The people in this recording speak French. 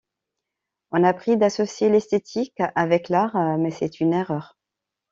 On a pris d'associer l'esthétique avec l'art, mais c'est une erreur.